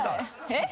えっ？